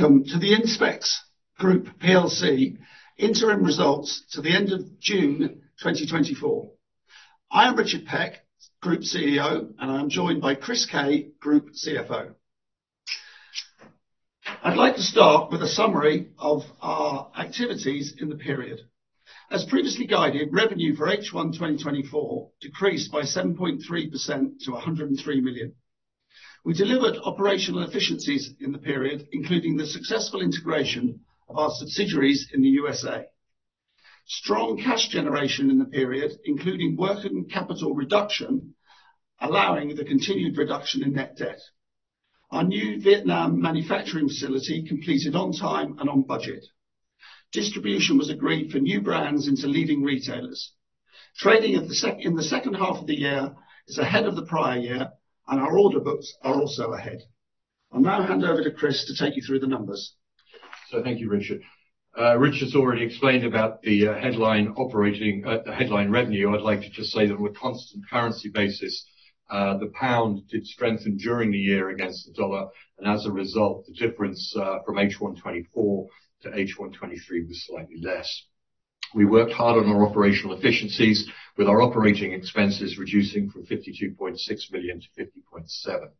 Welcome to the Inspecs Group plc interim results to the end of June 2024. I am Richard Peck, Group CEO, and I'm joined by Chris Kay, Group CFO. I'd like to start with a summary of our activities in the period. As previously guided, revenue for H1 2024 decreased by 7.3% to 103 million. We delivered operational efficiencies in the period, including the successful integration of our subsidiaries in the USA. Strong cash generation in the period, including working capital reduction, allowing the continued reduction in net debt. Our new Vietnam manufacturing facility completed on time and on budget. Distribution was agreed for new brands into leading retailers. Trading in the second half of the year is ahead of the prior year, and our order books are also ahead. I'll now hand over to Chris to take you through the numbers. Thank you, Richard. Richard's already explained about the headline operating revenue. I'd like to just say that with constant currency basis, the pound did strengthen during the year against the dollar, and as a result, the difference from H1 2024 to H1 2023 was slightly less. We worked hard on our operational efficiencies, with our operating expenses reducing from 52.6 million to 50.7 million.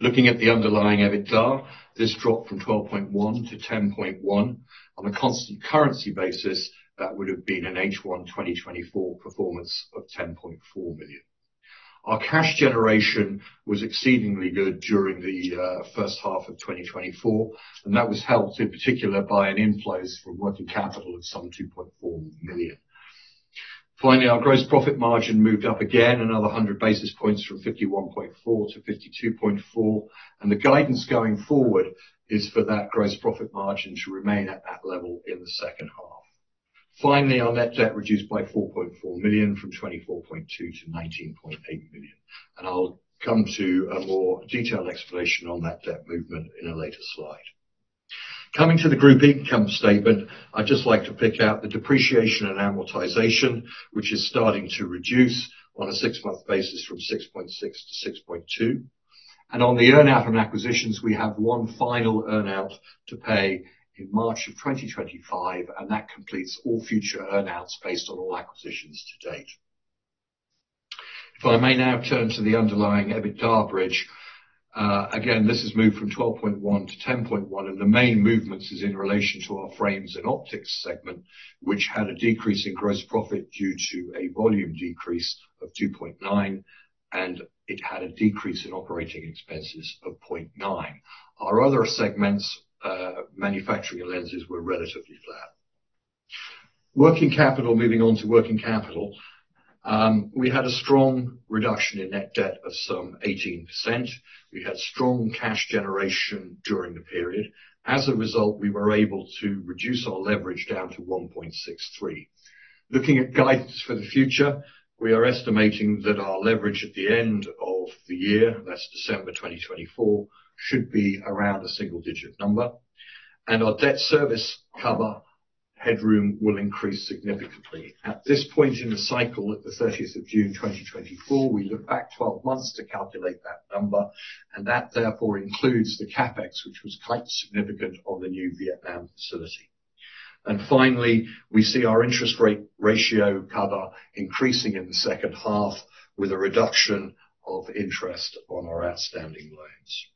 Looking at the underlying EBITDA, this dropped from 12.1 million to 10.1 million. On a constant currency basis, that would have been an H1 2024 performance of 10.4 million. Our cash generation was exceedingly good during the first half of 2024, and that was helped in particular by inflows from working capital of some 2.4 million. Finally, our gross profit margin moved up again, another 100 basis points from 51.4% to 52.4%, and the guidance going forward is for that gross profit margin to remain at that level in the second half. Finally, our net debt reduced by 4.4 million, from 24.2 million to 19.8 million. And I'll come to a more detailed explanation on that debt movement in a later slide. Coming to the group income statement, I'd just like to pick out the depreciation and amortization, which is starting to reduce on a six-month basis from 6.6 to 6.2. And on the earn-out from acquisitions, we have one final earn-out to pay in March of 2025, and that completes all future earn-outs based on all acquisitions to date. If I may now turn to the underlying EBITDA bridge, again, this has moved from 12.1 to 10.1, and the main movements is in relation to our frames and optics segment, which had a decrease in gross profit due to a volume decrease of 2.9, and it had a decrease in operating expenses of 0.9. Our other segments, manufacturing, lenses, were relatively flat. Moving on to working capital, we had a strong reduction in net debt of some 18%. We had strong cash generation during the period. As a result, we were able to reduce our leverage down to 1.63. Looking at guidance for the future, we are estimating that our leverage at the end of the year, that's December 2024, should be around a single-digit number, and our debt service cover headroom will increase significantly. At this point in the cycle, at the 30th of June 2024, we look back 12 months to calculate that number, and that therefore includes the CapEx, which was quite significant on the new Vietnam facility. And finally, we see our interest rate ratio cover increasing in the second half, with a reduction of interest on our outstanding loans.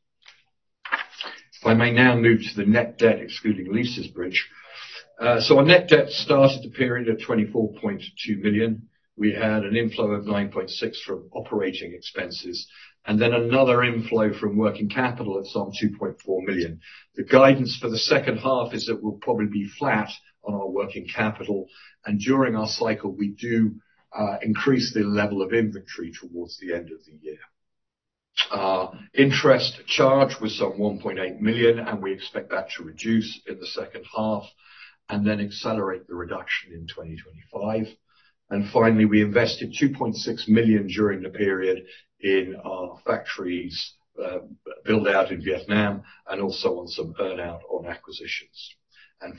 If I may now move to the net debt, excluding leases bridge. So our net debt started the period at 24.2 million. We had an inflow of 9.6 million from operating expenses, and then another inflow from working capital of some 2.4 million. The guidance for the second half is that we'll probably be flat on our working capital, and during our cycle, we do increase the level of inventory towards the end of the year. Interest charge was some 1.8 million, and we expect that to reduce in the second half, and then accelerate the reduction in 2025. Finally, we invested 2.6 million during the period in our factories build out in Vietnam, and also on some earn-out on acquisitions.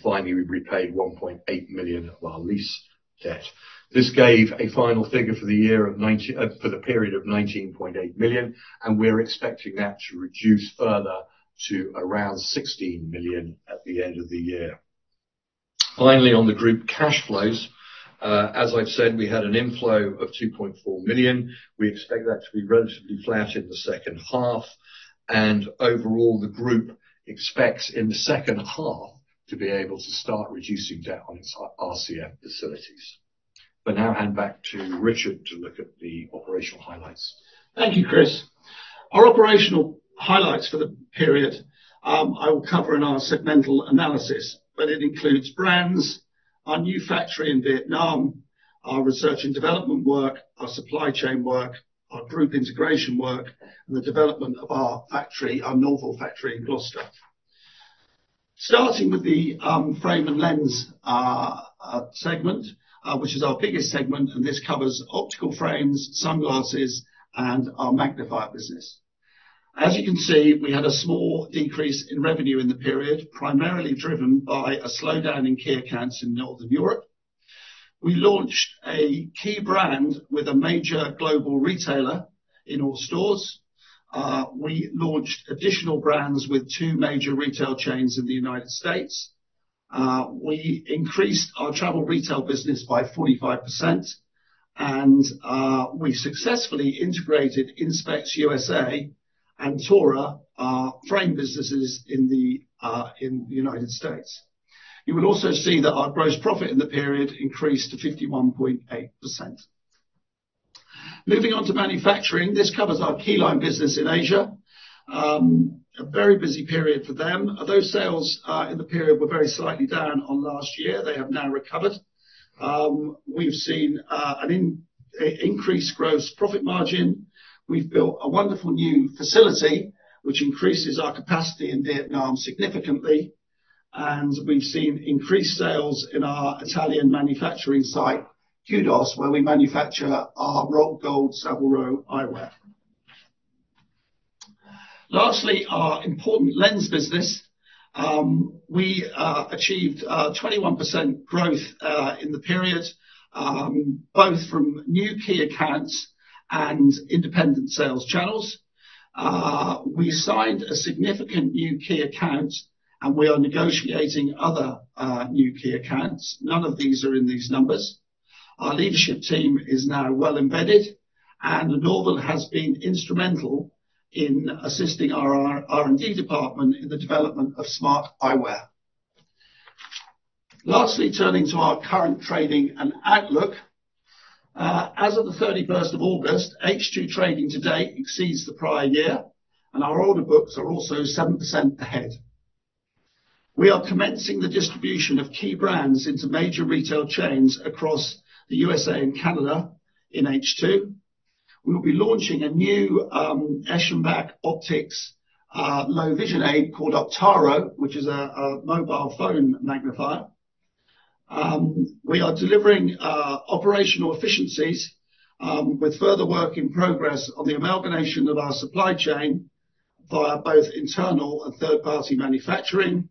Finally, we repaid 1.8 million of our lease debt. This gave a final figure for the period of 19.8 million, and we're expecting that to reduce further to around 16 million at the end of the year. Finally, on the group cash flows, as I've said, we had an inflow of 2.4 million. We expect that to be relatively flat in the second half, and overall, the group expects in the second half to be able to start reducing debt on its RCF facilities. But now hand back to Richard to look at the operational highlights. Thank you, Chris. Our operational highlights for the period I will cover in our segmental analysis, but it includes brands, our new factory in Vietnam, our research and development work, our supply chain work, our group integration work, and the development of our factory, our Norville factory in Gloucester. Starting with the frame and lens segment, which is our biggest segment, and this covers optical frames, sunglasses, and our magnifier business. As you can see, we had a small decrease in revenue in the period, primarily driven by a slowdown in key accounts in Northern Europe. We launched a key brand with a major global retailer in all stores. We launched additional brands with two major retail chains in the United States. We increased our travel retail business by 45%, and we successfully integrated Inspecs USA and Tura, our frame businesses in the United States. You will also see that our gross profit in the period increased to 51.8%. Moving on to manufacturing, this covers our Killine business in Asia. A very busy period for them. Although sales in the period were very slightly down on last year, they have now recovered. We've seen an increased gross profit margin. We've built a wonderful new facility, which increases our capacity in Vietnam significantly, and we've seen increased sales in our Italian manufacturing site, Cadore, where we manufacture our rolled gold Savile Row Eyewear. Lastly, our important lens business. We achieved 21% growth in the period both from new key accounts and independent sales channels. We signed a significant new key account, and we are negotiating other new key accounts. None of these are in these numbers. Our leadership team is now well embedded, and Norville has been instrumental in assisting our R&D department in the development of smart eyewear. Lastly, turning to our current trading and outlook. As of the thirty-first of August, H2 trading to date exceeds the prior year, and our order books are also 7% ahead. We are commencing the distribution of key brands into major retail chains across the USA and Canada in H2. We will be launching a new Eschenbach Optik low vision aid called Optaro, which is a mobile phone magnifier. We are delivering operational efficiencies, with further work in progress on the amalgamation of our supply chain via both internal and third-party manufacturing.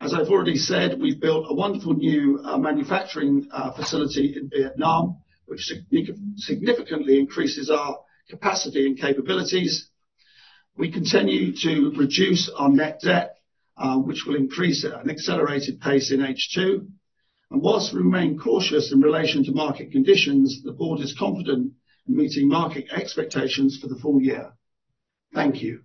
As I've already said, we've built a wonderful new manufacturing facility in Vietnam, which significantly increases our capacity and capabilities. We continue to reduce our net debt, which will increase at an accelerated pace in H2. And whilst we remain cautious in relation to market conditions, the board is confident in meeting market expectations for the full year. Thank you.